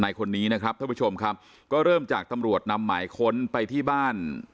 คนนี้นะครับท่านผู้ชมครับก็เริ่มจากตำรวจนำหมายค้นไปที่บ้าน